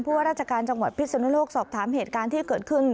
ว่าราชการจังหวัดพิศนุโลกสอบถามเหตุการณ์ที่เกิดขึ้น